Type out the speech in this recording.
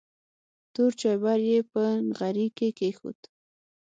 تور چایبر یې په نغري کې کېښود.